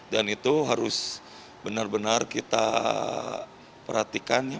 dan itu harus benar benar kita perhatikan